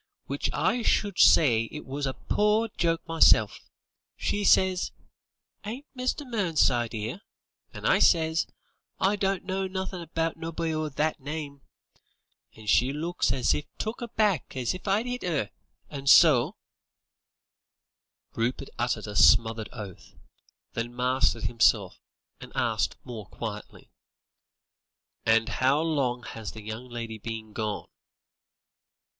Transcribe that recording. Which I should say it was a pore joke meself. She says: 'Ain't Mr. Mernside 'ere?' and I says, 'I don't know nothin' about nobody o' that name,' and she looks as took aback as if I'd 'it 'er, and so " Rupert uttered a smothered oath, then mastered himself, and asked more quietly: "And how long has the young lady been gone?"